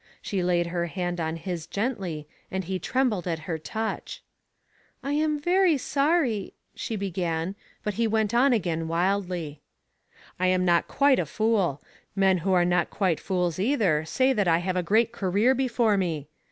She laid her hand on his gently, and he trembled at her touch. I am very sorry," she began, but he went on again wildly :I am not quite a fool. Men who are not quite fools either say that I have a great career before me.